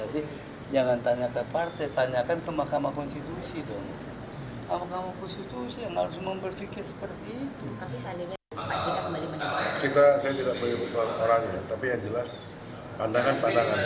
saya tidak boleh berbukta orangnya tapi yang jelas pandangan pandangan